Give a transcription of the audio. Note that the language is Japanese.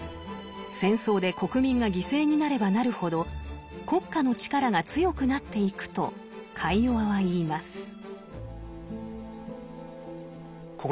戦争で国民が犠牲になればなるほど国家の力が強くなっていくとカイヨワは言います。